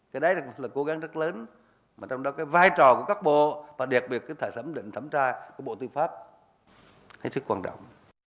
cái đấy là cố gắng rất lớn trong đó vai trò của các bộ và đặc biệt thẩm định thẩm tra của bộ tư pháp rất quan trọng